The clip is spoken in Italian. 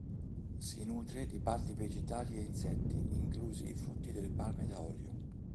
Si nutre di parti vegetali e insetti, inclusi i frutti delle palme da olio.